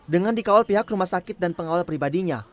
dengan dikawal pihak rumah sakit dan pengawal pribadinya